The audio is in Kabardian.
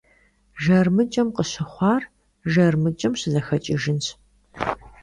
ЖармыкӀэм къыщыхъуар жармыкӀэм щызэхэкӀыжынщ.